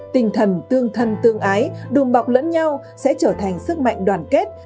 tinh thần tương thân tương ái đùm bọc lẫn nhau sẽ trở thành sức mạnh đoàn kết